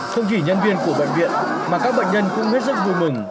không chỉ nhân viên của bệnh viện mà các bệnh nhân cũng hết sức vui mừng